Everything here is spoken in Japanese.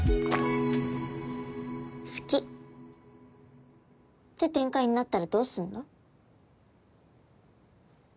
「好き」って展開になったらどうすんの？